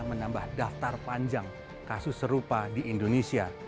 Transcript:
menambah daftar panjang kasus serupa di indonesia